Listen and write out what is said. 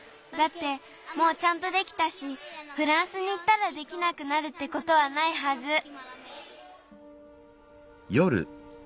だってもうちゃんとできたしフランスにいったらできなくなるってことはないはず。